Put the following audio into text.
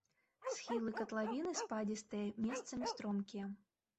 Схілы катлавіны спадзістыя, месцамі стромкія.